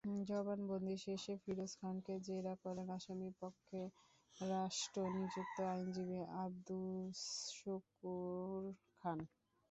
জবানবন্দি শেষে ফিরোজ খানকে জেরা করেন আসামিপক্ষে রাষ্ট্রনিযুক্ত আইনজীবী আবদুস শুকুর খান।